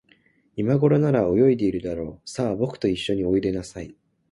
いまごろなら、泳いでいるだろう。さあ、ぼくといっしょにおいでなさい。